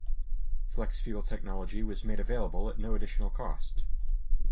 Flex-fuel technology was made available at no additional cost.